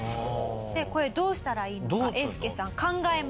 これどうしたらいいのかえーすけさん考えました。